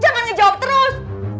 jangan ngejawab terus